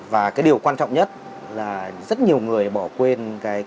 và điều quan trọng nhất là rất nhiều người bỏ quên lấy nét